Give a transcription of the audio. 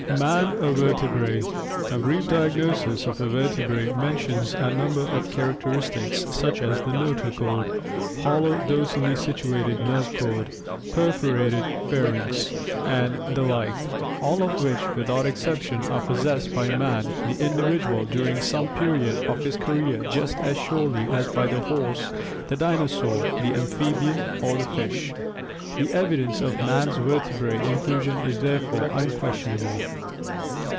Man a Vertebrate. — A brief diagnosis of a vertebrate mentions a number of characteristics such as the notochord, hollow, dor sally situated nerve cord, perforated pharynx, and the like, all of which without exception are possessed by man the individual during some period of his career just as surely as by the horse, the dinosaur, the amphibian, or the fish. The evidence of man's vertebrate in clusion is therefore unquestionable.